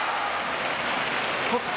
北勝